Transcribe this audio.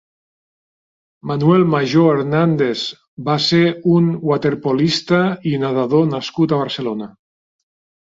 Manuel Majó Hernández va ser un waterpolista i nedador nascut a Barcelona.